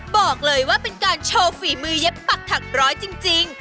บอกเลยว่าเป็นการโชว์ฝีมือเย็บปักถักร้อยจริง